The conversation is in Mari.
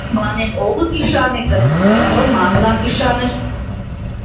Мыланем огыт ӱшане гын, Романлан ӱшанышт...